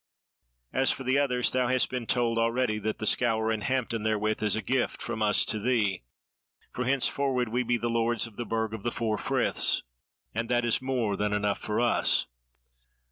As for the others, thou hast been told already that the Scaur, and Hampton therewith is a gift from us to thee; for henceforward we be the lords of the Burg of the Four Friths, and that is more than enough for us."